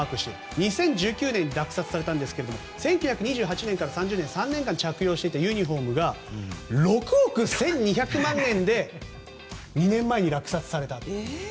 ２０１９年に落札されたんですが１９２８年から３０年２年間着用していたユニホームが６億１２００万円で２年前に落札された。